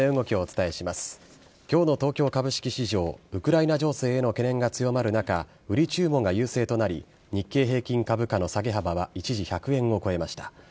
きょうの東京株式市場、ウクライナ情勢への懸念が強まる中、売り注文が優勢となり、日経平均株価の下げ幅は一時１００円を超えました。